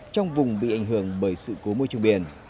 trong vùng bị ảnh hưởng bởi sự cố môi trường biển